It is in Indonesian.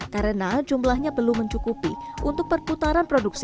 karena jumlahnya belum mencukupi untuk perputaran produksi